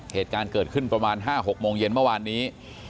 เหตุการณ์เกิดขึ้นประมาณ๕๖โมงเย็นเมื่อวานนี้